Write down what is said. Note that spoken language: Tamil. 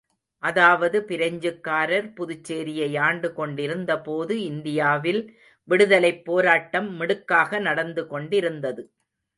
அதாவது பிரெஞ்சுக்காரர் புதுச்சேரியை ஆண்டு கொண்டிருந்த போது, இந்தியாவில் விடுதலைப் போராட்டம் மிடுக்காக நடந்து கொண்டிருந்தது.